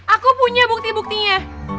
aku punya bukti buktinya